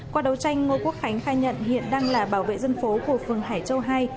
qua đấu tranh ngô quốc khánh khai nhận hiện đang là bảo vệ dân phố của phường hải châu hai